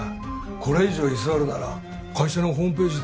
「これ以上居座るなら会社のホームページで」